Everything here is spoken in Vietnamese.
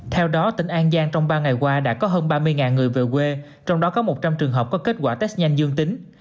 theo đó tỉnh an giang trong ba ngày qua đã có hơn ba mươi người về quê trong đó có một trăm linh trường hợp có kết quả test nhanh dương tính